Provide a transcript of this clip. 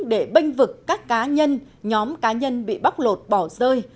để bênh vực các cá nhân nhóm cá nhân bị bóc lột bỏ rơi